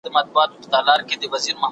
بدې هیلي نه پالل کېږي.